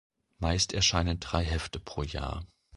Meist erscheinen drei Hefte pro Jahr.